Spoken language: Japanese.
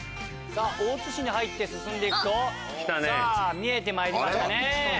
大津市に入って進んでいくと見えてまいりましたね。